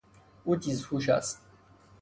او تیزهوش است.